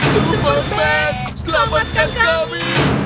superbag selamatkan kami